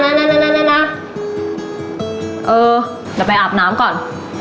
เออเดี๋ยวไปอาบน้ำก่อน